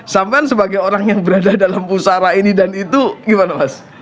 sampai sebagai orang yang berada dalam pusara ini dan itu gimana mas